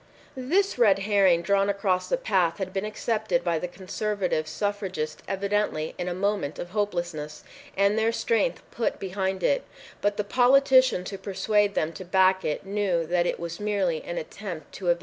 This red herring drawn across the path had been accepted by the conservative suff ragists evidently in a moment of hopelessness, and their strength put behind it, but the politicians who persuade them to back it knew that it was merely an attempt to evade the issue.